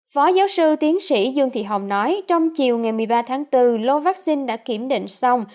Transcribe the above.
phó giáo sư tiến sĩ dương thị hồng nói trong chiều ngày một mươi ba tháng bốn lô vaccine đã kiểm định xong